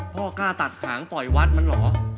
กล้าตัดหางต่อยวัดมันเหรอ